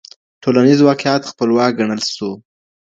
ټولنيز واقعيت خپلواک ګڼل سو.